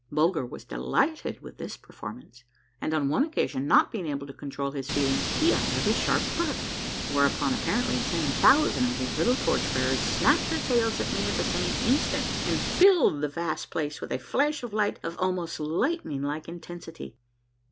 Bulger was delighted with this performance ; and on one occasion, not being able to control his feeling, he uttered a sharp bark, where upon apparently ten thousand of these little torch bearers A MARVELLOUS UNDERGROUND JOURNEY 41 snapped their tails at me at the same instant, and filled the vast place with a flash of light of almost lightning like intensity.